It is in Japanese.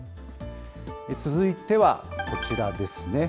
続いてはこちらですね。